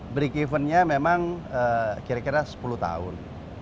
break even nya memang kira kira sepuluh tahun